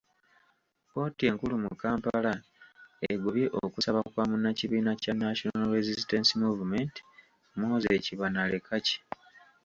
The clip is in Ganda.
Kkooti enkulu mu Kampala egobye okusaba kwa munnakibiina kya National Resistance Movement Moses Banalekaki.